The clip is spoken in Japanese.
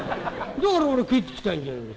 だから俺は帰ってきたんじゃねえか。